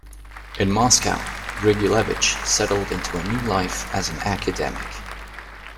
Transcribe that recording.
In Moscow, Grigulevich settled into a new life as an academic.